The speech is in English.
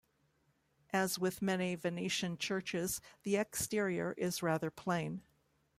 As with many Venetian churches, the exterior is rather plain.